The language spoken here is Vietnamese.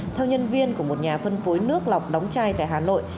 theo nhân viên của một nhà phân phối nước lọc đóng chai tại hà nội